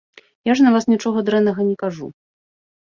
Я ж на вас нічога дрэннага не кажу.